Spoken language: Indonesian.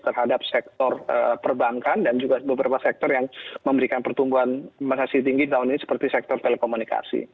terhadap sektor perbankan dan juga beberapa sektor yang memberikan pertumbuhan investasi tinggi tahun ini seperti sektor telekomunikasi